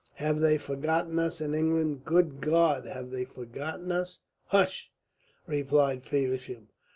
Have they forgotten us in England? Good God! have they forgotten us?" "Hush!" replied Feversham.